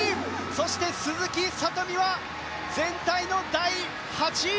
そして鈴木聡美は全体の第８位。